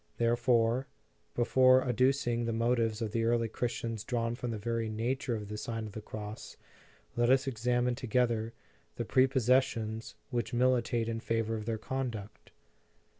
Therefore, before adducing the motives of the early Christians drawn from the very nature of the Sign of the Cross, let us examine together the prepossessions which militate in favor of their conduct.